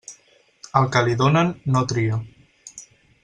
Al que li donen, no tria.